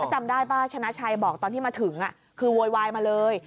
จำได้ป่ะชนะชัยบอกตอนที่มาถึงคือโวยวายมาเลย